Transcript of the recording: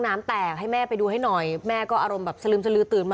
น้ำแตกให้แม่ไปดูให้หน่อยแม่ก็อารมณ์แบบสลึมสลือตื่นมา